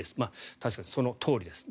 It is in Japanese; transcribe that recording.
確かにそのとおりです。